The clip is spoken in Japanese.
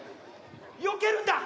よけるんだ！